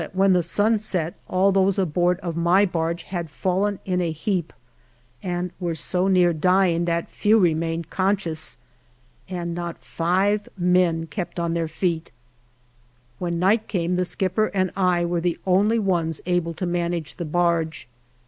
52 ALVAR NUNEZ CABEZA DE VACA the sun set all those aboard of my barge had fallen in a heap and were so near dying that few remained conscious, and not five men kept on their feet. When night came the skipper and I were the only ones able to manage the barge.